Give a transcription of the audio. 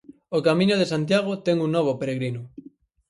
O Camiño de Santiago ten un novo peregrino.